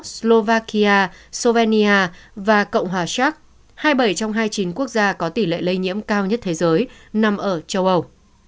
slovakia survenia và cộng hòa shac hai mươi bảy trong hai mươi chín quốc gia có tỷ lệ lây nhiễm cao nhất thế giới nằm ở châu âu